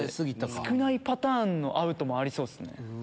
少ないパターンのアウトもありそうですね。